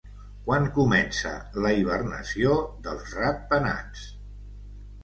Quan comença la hibernació dels ratpenats?